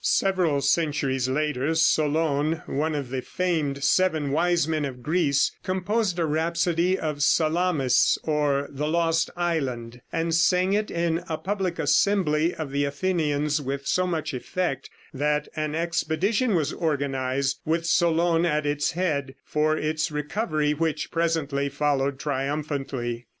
Several centuries later, Solon, one of the famed seven wise men of Greece, composed the rhapsody of "Salamis, or the Lost Island," and sang it in a public assembly of the Athenians with so much effect that an expedition was organized, with Solon at its head, for its recovery, which presently followed triumphantly.